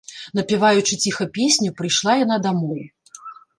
Напяваючы ціха песню, прыйшла яна дамоў.